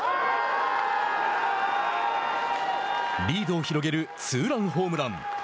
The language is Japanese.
リードを広げるツーランホームラン。